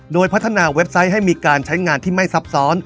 โดยพัฒนาเว็บไซต์ให้มีการใช้งานที่ไม่ซับซ้อน